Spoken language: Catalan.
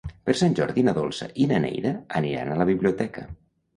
Per Sant Jordi na Dolça i na Neida aniran a la biblioteca.